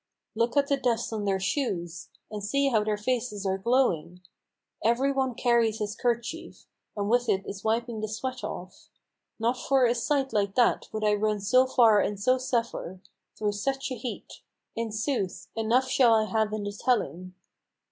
Look at the dust on their shoes! and see how their faces are glowing! Every one carries his kerchief, and with it is wiping the sweat off. Not for a sight like that would I run so far and so suffer, Through such a heat; in sooth, enough shall I have in the telling."